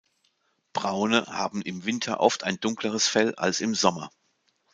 Braune haben im Winter oft ein dunkleres Fell als im Sommer.